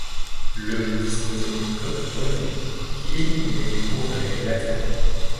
Le disposait d'une coque revue, qui éliminait les bourrelets latéraux.